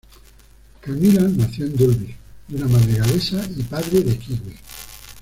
Camilla Nació en Dulwich de una madre galesa y padre de Kiwi.